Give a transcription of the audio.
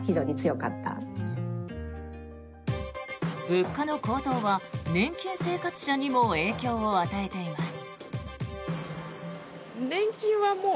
物価の高騰は年金生活者にも影響を与えています。